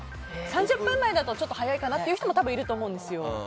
３０分前だとちょっと早いかなという人もいると思うんですよ。